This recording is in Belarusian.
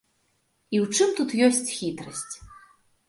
І ў чым тут ёсць хітрасць.